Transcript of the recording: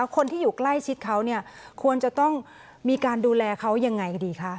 คนที่อยู่ใกล้ชิดเขาเนี่ยควรจะต้องมีการดูแลเขายังไงกันดีคะ